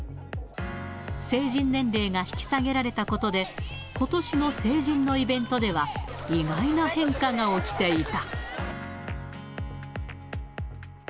成人年齢が引き下げられたことで、ことしの成人のイベントでは、意外な変化が起きていた。